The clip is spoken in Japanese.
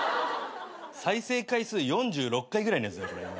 再生回数４６回ぐらいのやつだよ。